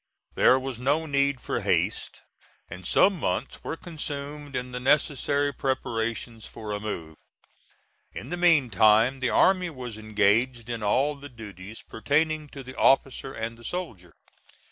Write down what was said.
There was no need for haste, and some months were consumed in the necessary preparations for a move. In the meantime the army was engaged in all the duties pertaining to the officer and the soldier.